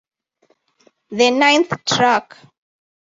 The ninth track.